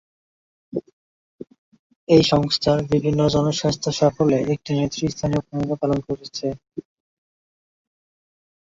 এই সংস্থার বিভিন্ন জনস্বাস্থ্য সাফল্যে একটি নেতৃস্থানীয় ভূমিকা পালন করেছে।